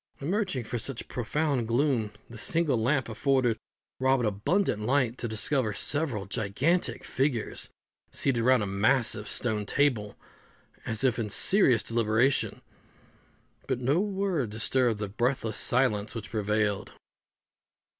Emerging from such profound gloom, the single lamp afforded Robin abundant light to discover several gigantic figures seated round a massive stone table, as if in serious deliberation, but no word disturbed the breathless silence which prevailed.